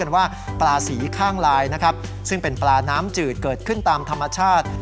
ว่าปลาสีข้างลายนะครับซึ่งเป็นปลาน้ำจืดเกิดขึ้นตามธรรมชาติ